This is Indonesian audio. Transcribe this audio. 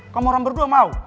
kamu orang berdua mau